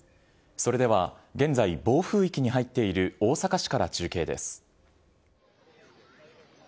それでは現在暴風域に入っている大阪市から中継です。